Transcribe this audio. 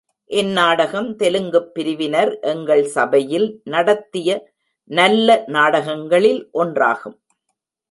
இந்நாடகம் தெலுங்குப் பிரிவினர் எங்கள் சபையில் நடத்திய நல்ல நாடகங்களில் ஒன்றாகும்.